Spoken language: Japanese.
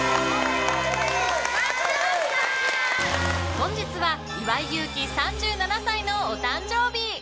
本日は岩井勇気３７歳のお誕生日！